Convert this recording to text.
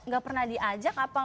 gak pernah diajak